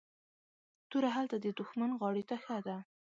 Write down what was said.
توره هلته ددښمن غاړي ته ښه ده